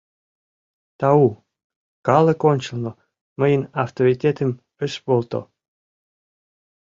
Тау, калык ончылно мыйын авторитетем ыш волто.